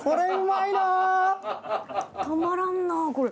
たまらんなこれ。